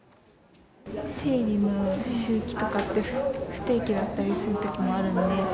生理の周期とかって、不定期だったりするときもあるので。